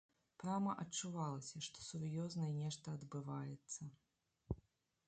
Прама адчувалася, што сур'ёзнае нешта адбываецца.